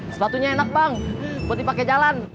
sebatunya enak bang buat dipake jalan